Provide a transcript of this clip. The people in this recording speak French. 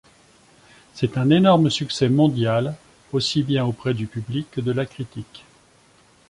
C'est un énorme succès mondial, aussi bien auprès du public, que de la critique.